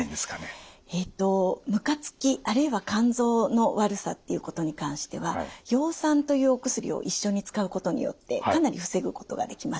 えとむかつきあるいは肝臓の悪さっていうことに関しては葉酸というお薬を一緒に使うことによってかなり防ぐことができます。